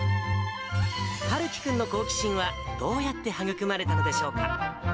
陽生君の好奇心はどうやって育まれたのでしょうか。